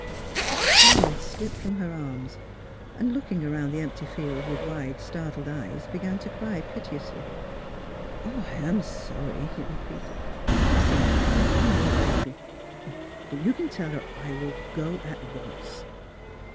'^ The child slipped from her arms and, looking around the empty field with wide, startled eyes, began to cry piteously. "I'm sorry," he repeated; " I seem to have frightened your baby. But you can tell her I will go at once."